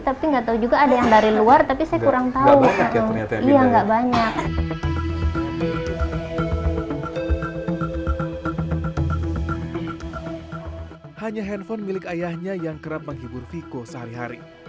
tapi nggak tahu juga ada yang dari luar tapi saya kurang tahu